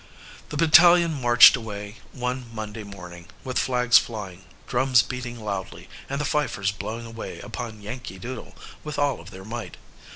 The battalion marched away one Monday morning, with flags flying, drums beating loudly, and the fifers blowing away upon "Yankee Doodle" with all of their might.